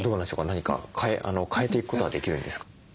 何か変えていくことはできるんですか？